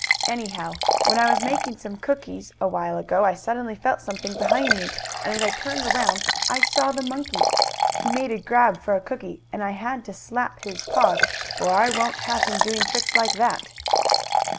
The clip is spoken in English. "Anyhow, when I was making some cookies awhile ago I suddenly felt something behind me, and, as I tumid around, I saw the monkey. He made a grab for a cookie, and I had to slap his paws for I won't have him doing tricks like that.